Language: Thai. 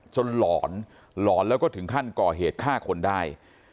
หลอนหลอนแล้วก็ถึงขั้นก่อเหตุฆ่าคนได้